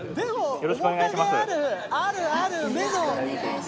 よろしくお願いします。